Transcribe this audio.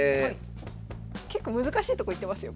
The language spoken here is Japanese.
結構難しいとこいってますよ